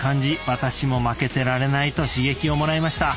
私も負けてられないと刺激をもらいました！